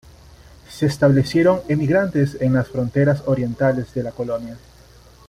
Se establecieron emigrantes en las fronteras orientales de la colonia